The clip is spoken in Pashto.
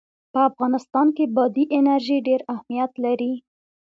په افغانستان کې بادي انرژي ډېر اهمیت لري.